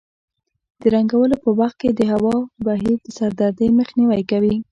د رنګولو په وخت کې د هوا بهیر د سردردۍ مخنیوی کوي.